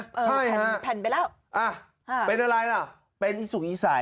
ใช่แผ่นไปแล้วอ่ะเป็นอะไรล่ะเป็นที่สุขอีสัย